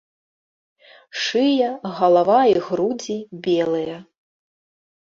Шыя, галава і грудзі белыя.